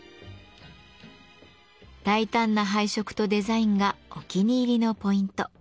大胆な配色とデザインがお気に入りのポイント。